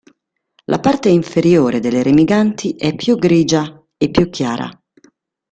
La parte inferiore delle remiganti è più grigia e più chiara.